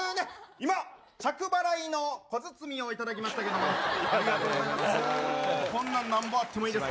今、着払いの小包を頂きましたけれども、ありがとうございます。